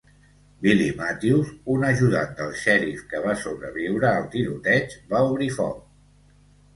Billy Matthews, un ajudant del xèrif que va sobreviure al tiroteig, va obrir foc.